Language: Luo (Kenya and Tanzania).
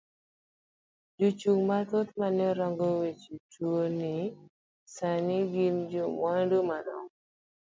Jo chung mathoth mane rango weche tuo ni sani gin jomwandu madongo.